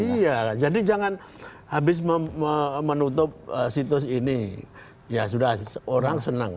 iya jadi jangan habis menutup situs ini ya sudah orang senang